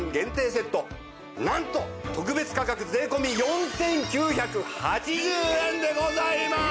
なんと特別価格税込４９８０円でございます！